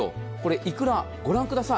いくら、ご覧ください。